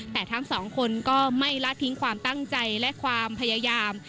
แต่ทั้งสองคนก็ไม่ละทิ้งความตั้งใจและความพยายาม